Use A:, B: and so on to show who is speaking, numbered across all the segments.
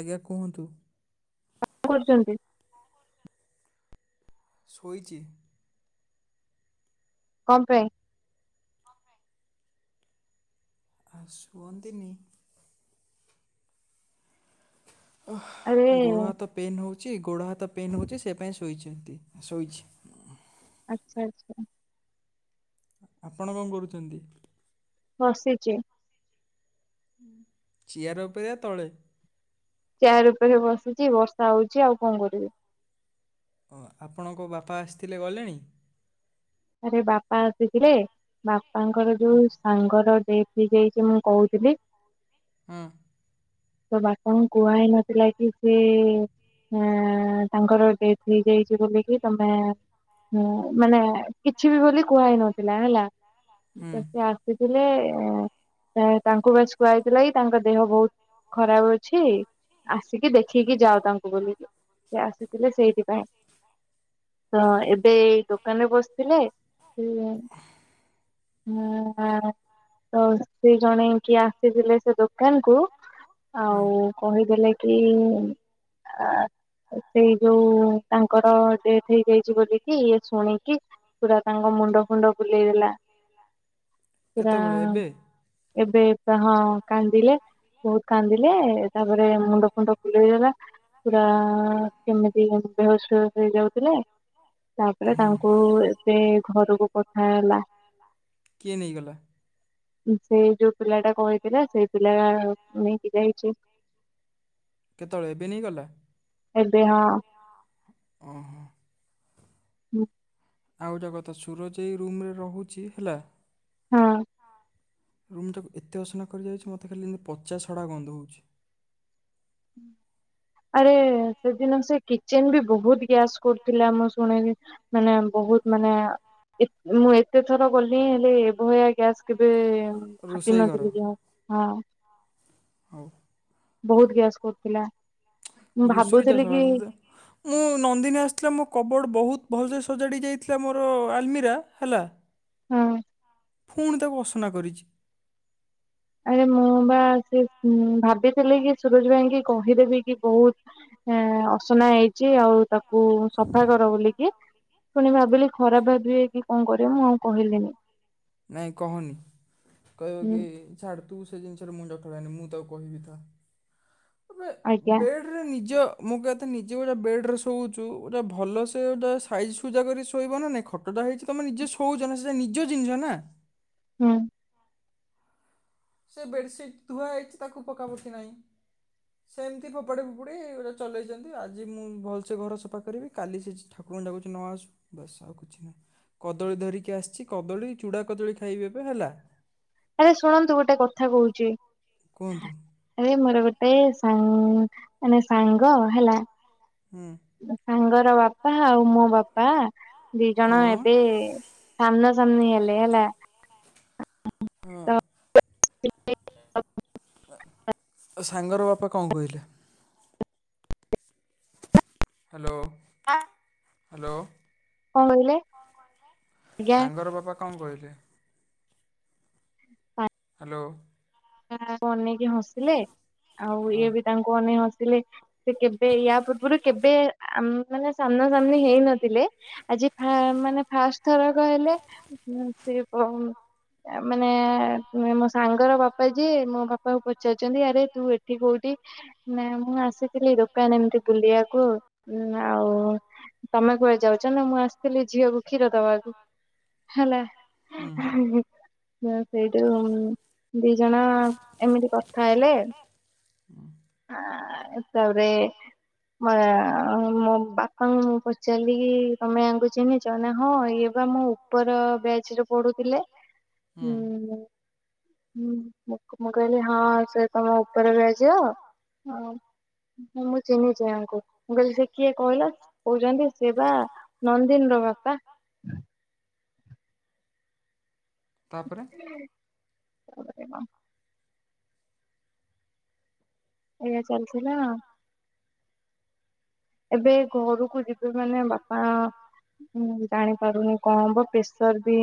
A: ଆଜ୍ଞା, କୁହନ୍ତୁ।
B: [inaudible]
A: ଶୋଇଚି।
B: [inaudible]
A: [inaudible]
B: ଆରେ
A: ଗୋଡ଼ ହାତ ପେନ୍ ହଉଚି, ଗୋଡ଼ ହାତ ପେନ୍ ହଉଚି ସେ ପାଇଁ ଶୋଇ--ନ୍ତି ଶୋଇଚି।
B: [unintelligible]
A: ଆପଣ ଙ୍କ ରୁଚନ୍ତି?
B: ବସିଚି।
A: [inaudible]
B: ଚିୟାର୍ ଉପରେ ବସିଚି, ବର୍ଷା ହଉଚି। ଆଉ ଙ୍କ କରିବି?
A: ଆପଣଙ୍କ ବାପା ଆସ୍‌ ଥିଲେ, ଗଲେଣି।
B: ଆରେ ବାପା ଆସିଥିଲେ। ବାପାଙ୍କର ଯଉ ସାଙ୍ଗର ଡ଼େଥ୍ ହେଇଯାଇଚି, ମୁଁ କହୁଥିଲି।
A: [inaudible]
B: ତ ବାପାଙ୍କୁ କୁହା ହେଇ ନଥିଲା କି ସେ ତାଙ୍କର ଡ଼େଥ୍ ହେଇଯାଇଛି। ବୋଲିକି ତମେ ମାନେ କିଛି ବି ବୋଲି କୁହା ହେଇ ନଥିଲା ହେଲା। [inaudible]
A: ହୁଁ
B: କି ତାଙ୍କ ଦେହ ବହୁତ୍ ଖରାବ୍ ଅଛି। ଆସିକି ଦେଖିକି ଯାଅ ତାଙ୍କୁ ବୋଲି, ସେ ଆସିଥିଲେ ସେଇଥିପାଇଁ। ତ, ଏବେ ଏଇ ଦୋକାନ୍‌ ରେ ବସ୍‌ ଥିଲେ। [unintelligible] ଆସିଥିଲେ ସେ ଦୋକାନ୍‌ କୁ।
A: ହୁଁ
B: ଆଉ କହିଦେଲେ କି ସେଇ ଯଉ ତାଙ୍କର ଡ଼େଥ୍ ହେଇଯାଇଚି ବୋଲିକି, ଇଏ ଶୁଣିକି ପୁରା ତାଙ୍କ ମୁଣ୍ଡ ଫୁଣ୍ଡ ବୁଲେଇ ଦେଲା।
A: କେତେବେଳେ ଏବେ?
B: ଏବେ, ହଁ କାନ୍ଦିଲେ। ବହୁତ୍‌ କାନ୍ଦିଲେ, ତା'ପରେ ମୁଣ୍ଡ ଫୁଣ୍ଡ ଦେଲା। ପୁରା କେମିତି ବେହୋସ୍ ଫେହୋସ୍ ହେଇ ଯାଉଥିଲେ। ତା'ପରେ ତାଙ୍କୁ ସେ ଘରୁକୁ ପଠା ହେଲା।
A: କିଏ ନେଇଗଲା?
B: ସେ ଯଉ ପିଲା ଟା କହିଥିଲା, ସେଇ ପିଲା ନେଇକି ଯାଇଚି।
A: କେତବଳେ ଏବେ ନେଇ ଗଲା?
B: ଏବେ ହଁ।
A: [inaudible] ଆଉ ଗୁଟେ କଥା ସୁରଜ୍ ଏଇ ରୁମ୍ ରେ ରହୁଚି ହେଲା।
B: ହଁ!
A: ରୁମ୍ ଟାକୁ ଏତେ ଅସନା କରି ଯାଇଚି, ମୋତେ ଖାଲି ପଚା ସଢ଼ା ଗନ୍ଧ ହଉଚି।
B: ଆରେ ସେଦିନ ସେ କିଚେନ୍ ବି ବହୁତ୍ ଗ୍ୟାସ୍ କ--ଥିଲା। ମୁଁ ଶୁଣି ମାନେ ବହୁତ୍ ମାନେ ମୁଁ ଏତେ ଥର ଗଲି, ହେଲେ ଏଭଳିଆ ଗ୍ୟାସ୍ କେବେ ଭାବି
A: ରୋଷେଇ ଘର
B: ନଥିଲି ହଁ!
A: [inaudible]
B: ବହୁତ୍ ଗ୍ୟାସ୍ କ--ଥିଲା। ମୁଁ
A: ଘୁଷୁରୀ ଚାଷ
B: ଭାବୁଥିଲି
A: ହେଲା
B: କି
A: ତ ମୁଁ ନନ୍ଦିନୀ ଆସିଥିଲା ମୋ କବର୍ଡ଼ ବହୁତ୍ ଭଲ୍ ସେ ସଜାଡ଼ି ଯାଇଥିଲା ଆମର ଆଲମିରା ହେଲା।
B: ହଁ।
A: ଫୁଣି ତାକୁ ଅସନା କରିଚି।
B: ଆରେ ମୁଁ ବା ସେ ଭାବିଥିଲି କି ସୁରଜ୍ ଭାଇଙ୍କି କହିଦେବି କି ବହୁତ୍ ହଁ ଅସନା ହେଇ ଚି ଆଉ ତାକୁ ସଫା କର ବୋଲିକି ପୁଣି ଭାବିଲି ଖରାପ ଭାବିବେ କି କଣ କରିବ ମୁଁ ଆଉ କହିଲିିନି।
A: ନାଇଁ କହନି କହିବ
B: ହୁଁ
A: କି ଛାଡ଼୍ ତୁ ସେ ଜିନିଷରେ ମୁଣ୍ଡ ଖେଳାନି ମୁଁ ତାକୁ କହିବି ତ। ଆବେ
B: ଆଜ୍ଞା
A: ବେଡ୍ ର ନିଜ ମୁଁ କହିବା କଥା ନିଜେ ଗୋଟେ ବେଡ୍ ରେ ଶୋଉଛୁ ଗୋଟେ ଭଲସେ ସାଇଜ୍ ସୁଜା କରି ଶୋଇବ ନା ନାଇଁ ଖଟ ଟା ହେଇଚି ତମେ ନିଜେ ଶୋଉଚ ନା ସେଟା ନିଜ ଜିନିଷ ନା।
B: ହୁଁ।
A: ସେ ବେଡସିଟ୍ ଧୁଆ ହେଇଚି ତାକୁ ପକା ପକି ନାଇଁ। ସେମିତି ଫୋପୋଡ଼ି ଫୁପୁଡ଼ି ଗୋଟେ ଚଲେଇଚନ୍ତି ଆଜି ମୁଁ ଭଲସେ ଘର ସଫା କରିବି କାଲି ସେ ଠାକୁରଙ୍କୁ ଡାକୁଚି ନ ଆସୁ ବସ୍ ଆଉ କିଛି ନାହିଁ। କଦଳୀ ଧରିକି ଆସିଚି କଦଳୀ ଚୁଡା କଦଳୀ ଖାଇବି ଏବେ ହେଲା।
B: ଆରେ ଶୁଣନ୍ତୁ ଗୋଟେ କଥା କହୁଚି
A: କୁହନ୍ତୁ।
B: ଆରେ ମୋର ଗୋଟେ ସାଙ୍ଗ୍-ମାନେ ସାଙ୍ଗ ହେଲା
A: ହୁଁ
B: ସାଙ୍ଗର ବାପା ଆଉ ମୋ ବାପା ଦି
A: ହଁ
B: ଜଣ ଏବେ ସାମ୍ନା ସାମ୍ନି ହେଲେ ହେଲା
A: ହଁ
B: ତ [inaudible]
A: ସାଙ୍ଗର ବାପା କଣ କହିଲେ? ହାଲୋ-ହାଲୋ।
B: କହିଲେ ଆଜ୍ଞା
A: ସାଙ୍ଗର ବାପା କଣ କହିଲେ? ହାଲୋ।
B: ଅନେଇକି ହସିଲେ ଆଉ
A: ହଁ
B: ଇଏ ବି ତାଙ୍କୁ ଅନେକ ହସିଲେ। ସେ କେବେ ୟା ପୂର୍ବରୁ କେବେ ଆ ମାନେ ସାମ୍ନା ସାମ୍ନି ହେଇ ନଥିଲେ ଆଜି ଫା ମାନେ ଫାଷ୍ଟ। ଥର କହିଲେ ସେ ମାନେ ମୋ ସାଙ୍ଗର ବାପା। ବାପା ଯିଏ ମୋ ବାପାକୁ ପଚାରୁଛନ୍ତି ଆରେ ତୁ ଏଠି କୋଉଠି? ନା ମୁଁ ଆସିି ଦୋକାନ ଏମିତି ବୁଲିବାକୁ ଆଉ ତମେ କୁଆଡେ ଯାଉଛ? ନା ମୁଁ ଆସିଥିଲି ଝିଅକୁ କ୍ଷୀର ଦେବାକୁ ହେଲା।
A: ହୁଁ
B: ସେଇଟୁ ଦି ଜଣ ଏମିତି କଥା ହେଲେ।
A: ହୁଁ
B: ତା ପରେ ମୋ ବାପାଙ୍କୁ ମୁଁ ପଚାରିଲିକି ତମେ ଆଙ୍କୁ ଚିହ୍ନି? ହଁ ଇଏ ବା ମୋ ଉପର ବ୍ୟାଜରେ ପଢୁଥିଲେ। ହୁଁ ହୁଁ ମୁ ମୁଁ କହିଲ ହଁ ସେ ତମ ଉପର ବ୍ୟାଜର। ହଁ ମୁଁ ଚିହ୍ନିଛିିଆଙ୍କୁ, ମୁଁ କହିଲି ସେ କିଏ କହିଲା? କହୁଛନ୍ତି ସେ ବା ନନ୍ଦିନ୍ ର ବାପା।
A: ତାପରେ?
B: [inaudible] ଏଇଆ ଚାଲିଥିଲା ଏବେ ଘରକୁ ଯିବେ ମାନେ ବାପା ହୁଁ ଜାଣିପାରୁନି କଣ ହବ ପ୍ରେସର ବି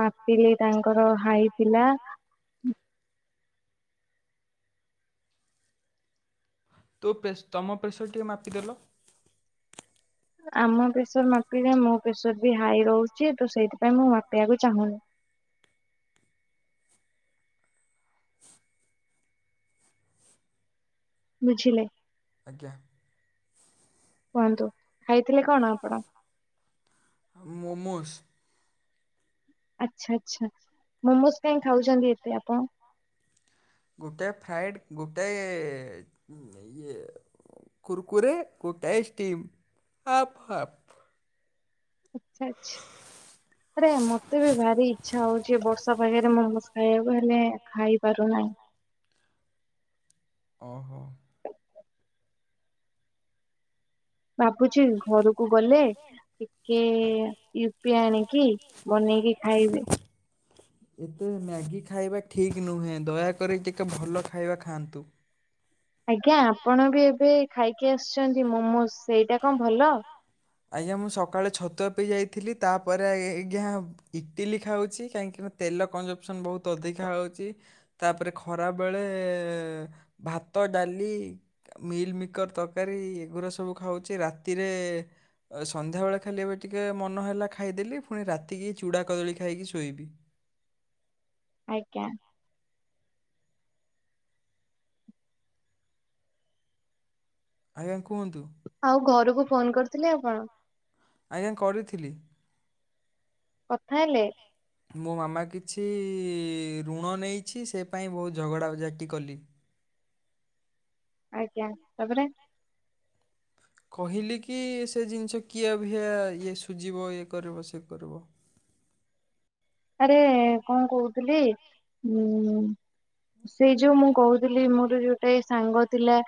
B: ମାପିଲି ତାଙ୍କର ହାଇ ଥିଲା।
A: ତୋ ପେସ୍ ତମ ପ୍ରେସର ଟିକେ ମାପିଦେଲ।
B: ଆମ ପ୍ରେସର ମାପିଲେ ମୋ ପ୍ରେସର ବି ହାଇ ରହୁଛି ତ ସେଇଥିପାଇଁ ମୁଁ ମାପିବାକୁ ଚାହୁଁନି। ବୁଝିଲେ?
A: ଆଜ୍ଞା।
B: କୁହନ୍ତୁ। ଖାଇଥିଲେ କଣ। ଆପଣ?
A: ମୋମୋସ୍।
B: ଆଚ୍ଛା ଆଚ୍ଛା ମୋମୋସ୍ କାହିଁକି ଖାଉଛନ୍ତି ଏତେ ଆପଣ।
A: ଗୋଟିଏ ଫ୍ରାଇଡ଼ ଗୋଟିଏ। ଇଏ କୁର୍କୁରେ କୁ ଟେଷ୍ଟି ହାଫ୍ ହାଫ୍।
B: ଆଚ୍ଛା ଆଚ୍ଛା ଆରେ ମତେ ବି ଭାରି। ଇଛା ହଉଛି ଏ ବର୍ଷା ପାଗରେ ମୋମୋସ୍ ଖାଇବାକୁ ହେଲେ ଖାଇପାରୁନାହିଁ।
A: ଓ ହୋ।
B: ଭାବୁଛି ଘରକୁ ଗଲେ। ଟିକେ ୟୁପି ଆଣିକି ବନେଇକି ଖାଇବି।
A: ଏତେ ମ୍ୟାଗି ଖାଇବା ଠିକ୍ ନୁହେଁ ଦୟାକରି ଟିକେ ଭଲ ଖାଇବା ଖାଆନ୍ତୁ।
B: ଆଜ୍ଞା ଆପଣ ବି ଏବେ ଖାଇକି ଆସିୁଛନ୍ତି ମୋମୋସ୍ ସେଇଟା କଣ ଭଲ।
A: ଆଜ୍ଞା ମୁଁ ସକାଳେ ଛତୁଆ ପିଇ ଯାଇଥିଲି ତାପରେ ଆଜ୍ଞା ଇଟିଲି ଖାଉଛି କାହିଁକିନା। ତେଲ କଞଜପସନ୍ ବହୁତ ଅଧିକା ହେଉଛି। ତାପରେ ଖରାବେେଳେ ଭାତ ଡାଲି। ମିଲ୍ ମିକର୍ ତରକାରୀ ଏଗୁଡ଼ା ସବୁ ଖାଉଛି ରାତିରେ। ସନ୍ଧ୍ୟାବେଳେ ଖାଲି ଏବେ ଟିକେ ମନ ହେଲା ଖାଇଦେଲି ପୁଣି ରାତିକି ଚୂଡ଼ା କଦଳୀ ଖାଇକି ଶୋଇବି।
B: ଆଜ୍ଞା।
A: ଆଜ୍ଞା କୁହନ୍ତୁ।
B: ଆଉ ଘରକୁ ଫୋନ୍ କରିଥିଲେ ଆପଣ।
A: ଆଜ୍ଞା କରିଥିଲି।
B: କଥା ହେଲେ।
A: କାଇଁ। ମୋ ମାମା କିଛି ଋଣ ନେଇଛି ସେ ପାଇଁ ବହୁତ ଝଗଡ଼ା ଝାଟି କଲି।
B: ଆଜ୍ଞା ତାପରେ।
A: କହିଲି କି ସେ ଜିନିଷ କିଏ ଅଭିଆ ଇଏ ସୁଝିବ ଇଏ କରିବ ସେ କରିବ।
B: ଆରେ କଣ କହୁଥିଲି ଉଁ। ସେ ଯୋଉ ମୁଁ କହୁଥିଲି ମୋର ଯୋଉଟା ସାଙ୍ଗ ଥିଲା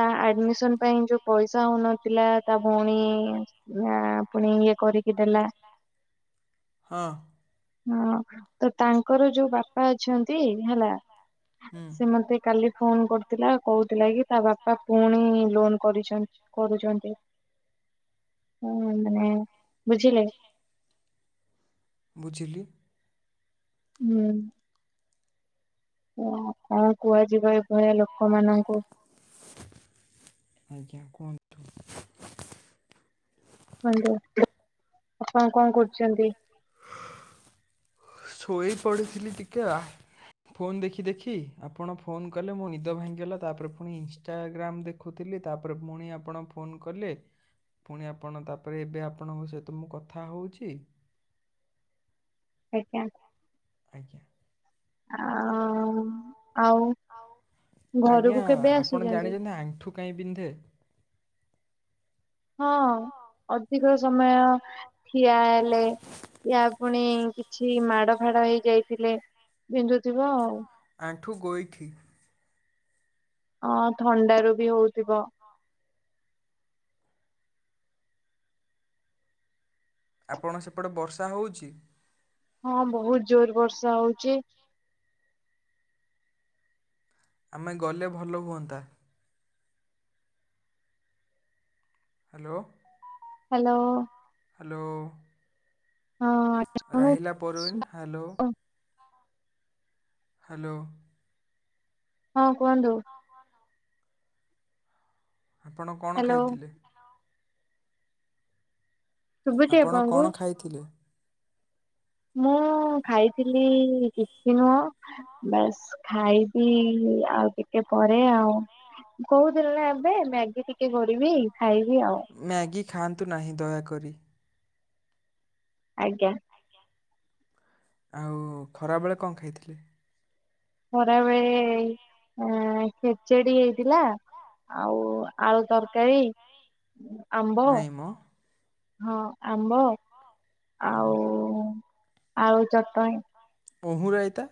B: ତା ଆଡ଼ମିଶନ ପାଇଁ ଯୋଉ। ପଇସା ହଉନଥିଲା ତା ଭଉଣୀ ପୁଣି ଇଏ କରିକି ଦେଲା।
A: ହଁ।
B: ହଁ। ତ ତାଙ୍କର ଯୋଉ ବାପା ଅଛନ୍ତି ହେଲା
A: ହୁଁ
B: ସେ ମତେ କାଲି ଫୋନ କରୁଥିଲା। କହୁଥିଲା କି ତା ବାପା ପୁଣି ଲୋନ କରିଛନ୍ତି କରୁଛନ୍ତି। ହୁଁ ମାନେ ବୁଝିଲେ।
A: ହଁ। ବୁଝିଲି।
B: ହୁଁ। କଣ କଣ କୁହାଯିବ ଏଭଳିଆ ଲୋକମାନଙ୍କୁ।
A: ଆଜ୍ଞା କଣ।
B: କୁହନ୍ତୁ ଆପଣ କଣ କରୁଛନ୍ତି।
A: [unintelligible] ଶୋଇ ପଡ଼ିଥିଲି ଟିକେ। ଫୋନ୍ ଦେଖି ଦେଖି ଆପଣ ଫୋନ୍ କଲେ ମୋ ନିଦ ଭାଙ୍ଗିଗଲା ତାପରେ ପୁଣି ଇନଷ୍ଟାଗ୍ରାମ୍ ଦେଖ। ଦେଖୁଥିଲି ତାପରେ ପୁଣି ଆପଣ ଫୋନ୍ କଲେ। ପୁଣି ଆପଣ ତାପରେ ଏବେ ଆପଣଙ୍କ ସହିତ ମୁଁ କଥା ହେଉଛି।
B: ଆଜ୍ଞା।
A: ଆଜ୍ଞା।
B: ଆଉ ଆଉ। ଘରକୁ
A: ଆଜ୍ଞା
B: କେବେ
A: ଆପଣ
B: ଆସୁଛନ୍ତି?
A: ଜାଣିଛନ୍ତି ଆଣ୍ଠୁ କାଇଁ ବିନ୍ଧେ।
B: ହଁ ଅଧିକ ସମୟ। ଠିଆ ହେଲେ ୟା ପୁଣି କିଛି ମାଡ଼ ଫାଡ ହେଇ ଯାଇଥିଲେ ବିନ୍ଧୁଥିବ ଆଉ।
A: ଆଣ୍ଠୁ ଗୋଇଠି।
B: ହଁ ଥଣ୍ଡାରୁ ବି ହଉଥିବ।
A: ଆପଣ ସେପଟେ ବର୍ଷା ହେଉଛି?
B: ହଁ ବହୁତ ଜୋର ବର୍ଷା ହଉଛି।
A: ଆମେ ଗଲେ ଭଲ ହୁଅନ୍ତା। ହ୍ୟାଲୋ।
B: ହ୍ୟାଲୋ। ହଁ
A: ହ୍ୟାଲୋ
B: ଶୁଣୁ
A: ରାହିିଲା ପରୁନ ହ୍ୟାଲୋ? ହ୍ୟାଲୋ।
B: ହଁ କୁହନ୍ତୁ।
A: ହଁ ହଁ ହଁ। ଆପଣ କଣ
B: ହ୍ୟାଲୋ
A: ଖାଇଥିଲେ?
B: ଶୁଭୁଛି
A: ଆପଣ
B: ଆପଣଙ୍କୁ?
A: କଣ ଖାଇଥିଲେ?
B: ମୁଁ ଖାଇଥିଲି ୟିପି ମ। ବାସ୍ ଖାଇବି ଆଉ ଟିକେ ପରେ ଆଉ। କହୁଥିଲି ନା ଏବେ ମ୍ୟାଗି ଟିକେ କରିବି ଖାଇବି ଆଉ।
A: ମ୍ୟାଗି ଖାଆନ୍ତୁ ନାହିଁ ଦୟାକରି।
B: ଆଜ୍ଞା।
A: ଆଉ ଖରାବେଳେ କଣ ଖାଇଥିଲେ?
B: ଖରା ବେଳେ ଖେଚେଡ଼ି ହେଇଥିଲା ଆଉ ଆଳୁ ତରକାରୀ ଆମ୍ବ
A: ନାଇଁ ମ
B: ହଁ ଆମ୍ବ ଆଉ-ଆଳୁ ଚଟଣି।
A: ଓହୁ ରାଇତା।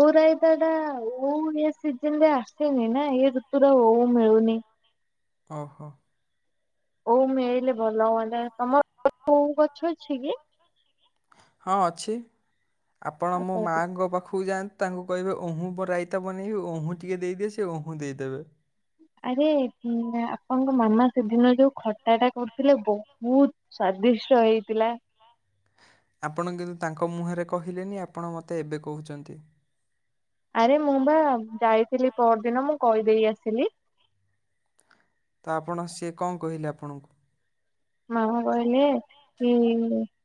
B: ଓଉ ରାଇତାଟା ଓଉ ଏ ସିଜିନରେ ଆସେନି ନା ଏ ଋତୁୁରେ ଓଉ ମିଳୁନି।
A: ଓହୋ।
B: ଓଉ ମିଳିଲେ ଭଲ ହୁଅନ୍ତା ତମର [inaudible] ଓଉ ଗଛ ଅଛି କି?
A: ହଁ ଅଛି ଆପଣ ମୋ ମାଆଙ୍କ ପାଖକୁ ଯାଆ ତାଙ୍କୁ କହିବେ ଅହୁଁ ବ ରାଇତା ବନେଇବି ଅହୁଁ ଟିକେ ଦେଇଦିଅ ସେ ଅହୁଁ ଦେଇଦେବେ।
B: ଆରେ ହୁଁ ଆପଣଙ୍କ ମାମା ସେଦିନ ଯୋଉ ଖଟାଟା କରୁଥିଲେ ବହୁତ ସ୍ୱାଦିଷ୍ଟ ହେଇଥିଲା।
A: ଆପଣ କିନ୍ତୁ ତାଙ୍କ ମୁହଁରେ କହିଲେନି ଆପଣ ମୋତେ ଏବେ କହୁଛନ୍ତି।
B: ଆରେ ମୁଁ ବା ଯାଇଥିଲି ପହର ଦିନ ମୁଁ କହିଦେଇ ଆସିଲି।
A: ତ ଆପଣ ସିଏ କଣ କହିଲେ ଆପଣଙ୍କୁ?
B: ମାମା କହିଲେ କି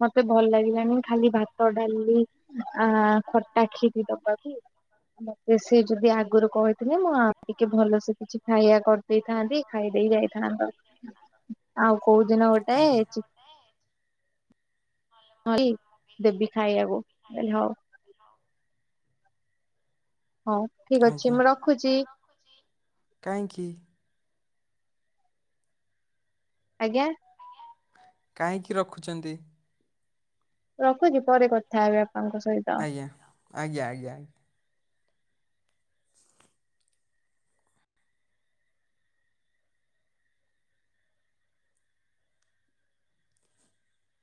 B: ମତେ ଭଲ ଲାଗିଲାନି ଖାଲି ଭାତ ଡାଲିି ଆ ଖଟା ଖିରି ଦବାକୁ। ମତେ ସେ ଯଦି ଆଗରୁ କହିଥିଲେ ମୁଁ ଆଉ ଟିକେ ଭଲସେ କିଛି ଖାଇଆ କର ଦେଇଥାନ୍ତି ଖାଇ ଦେଇ ଯାଇଥାନ୍ତ ଆଉ କୋଉଦିନ ଗୋଟେ ଚି ହଁଇ ଦେବି ଖାଇଆକୁ ମୁ କଇଲୀ ହଉ। ହଁ ଠିକ ଅଛି ମୁଁ ରଖୁଚି।
A: କାଇଁହିଙ୍କି।
B: ଆଜ୍ଞା।
A: କାହିଁକି ରଖୁଛନ୍ତି?
B: ରଖୁଚି ପରେ କଥା ହେବି ଆପଣଙ୍କ ସହିତ।
A: ଆଜ୍ଞା ଆଜ୍ଞା ଆଜ୍ଞା ଆ [inaudible]